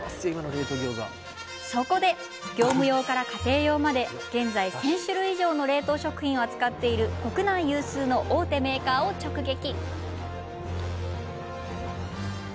そこで業務用から家庭用まで現在１０００種類以上の冷凍食品を扱っている国内有数の大手メーカーを直撃。